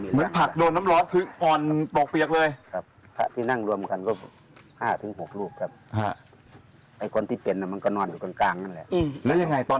อยู่ในประเหลืองด้วย